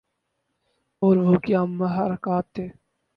اور وہ کیا محرکات تھے